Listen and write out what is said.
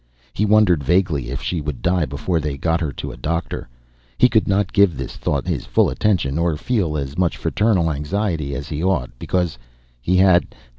He wondered vaguely if she would die before they got her to a doctor. He could not give the thought his full attention, or feel as much fraternal anxiety as he ought, because He had